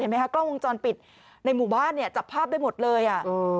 กล้องวงจรปิดในหมู่บ้านเนี่ยจับภาพได้หมดเลยอ่ะ